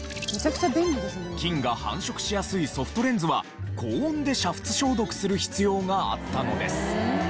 菌が繁殖しやすいソフトレンズは高温で煮沸消毒する必要があったのです。